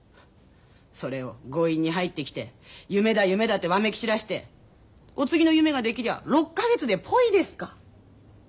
それを強引に入ってきて夢だ夢だってわめき散らしてお次の夢ができりゃ６か月でポイですか。